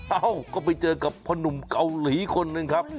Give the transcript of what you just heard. เอ้าก็ไปเจอกับพนุ่มเกาหลีคนหนึ่งครับ